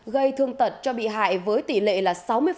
gây thương tật cho bị hại với tỷ lệ là sáu mươi